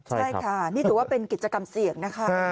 ใช่ค่ะนี่ถือว่าเป็นกิจกรรมเสี่ยงนะคะ